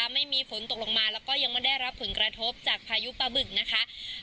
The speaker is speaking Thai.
ไม่มีฝนตกลงมาแล้วก็ยังไม่ได้รับผลกระทบจากพายุปลาบึกนะคะ